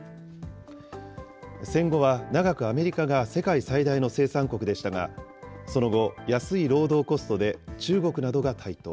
戦後は長くアメリカが世界最大の生産国でしたが、その後、安い労働コストで中国などが台頭。